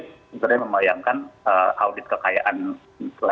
sebenarnya membayangkan audit kekayaan lewat metode lhkpn ya